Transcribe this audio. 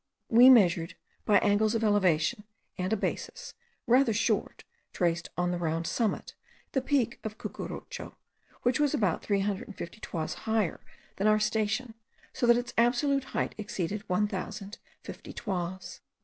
We measured, by angles of elevation, and a basis, rather short, traced on the round summit, the peak of Cucurucho, which was about 350 toises higher than our station, so that its absolute height exceeded 1050 toises.